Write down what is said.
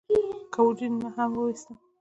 کۀ د وجود نه ئې هم اوويستۀ ؟